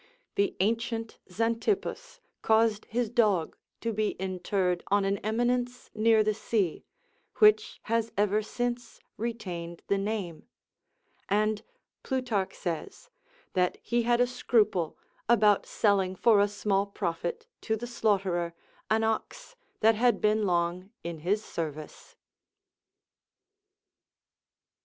The ancient Xantippus caused his dog to be interred on an eminence near the sea, which has ever since retained the name, and Plutarch says, that he had a scruple about selling for a small profit to the slaughterer an ox that had been long in his service.